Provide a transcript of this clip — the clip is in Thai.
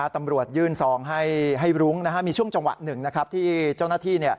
ตำรวจยื่นซองให้รุ้งมีช่วงจังหวะหนึ่งที่เจ้าหน้าที่